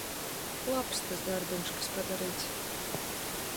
Labs tas darbiņš, kas padarīts.